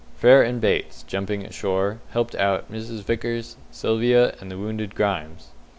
Frere and Bates, jumping ashore, helped out Mrs. Vickers, Sylvia, and the wounded Grimes.